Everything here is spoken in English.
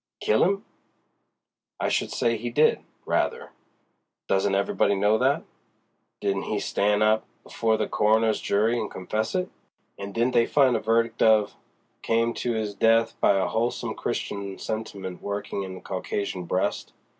"Kill 'im? I should say he did, rather. Doesn't everybody know that? Didn't he stan' up before the coroner's jury and confess it? And didn't they find a verdict of 'Came to 'is death by a wholesome Christian sentiment workin' in the Caucasian breast'?